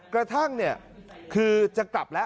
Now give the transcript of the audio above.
กระทั่งเนี่ยคือจะกลับแล้ว